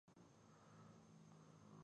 افغانان په خپل تاریخ ویاړ کوي.